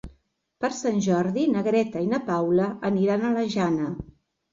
Per Sant Jordi na Greta i na Paula aniran a la Jana.